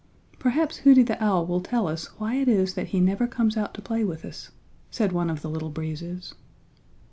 "Perhaps Hooty the Owl will tell us why it is that he never comes out to play with us," said one of the Little Breezes.